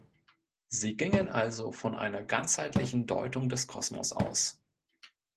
Sie gingen also von einer ganzheitlichen Deutung des Kosmos aus.